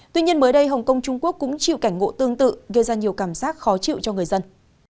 tuy nhiên mới đây hồng kông trung quốc cũng chịu cảnh ngộ tương tự gây ra nhiều cảm giác khó chịu cho người dân